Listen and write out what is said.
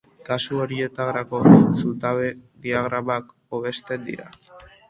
Kasu horietarako, zutabe-diagramak hobesten dira.